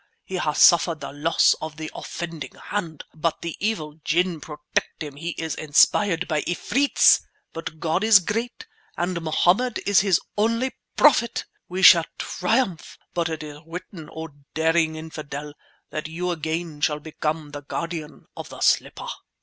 He has suffered the loss of the offending hand, but the evil ginn protect him; he is inspired by efreets! But God is great and Mohammed is His only Prophet! We shall triumph; but it is written, oh, daring infidel, that you again shall become the guardian of the slipper!"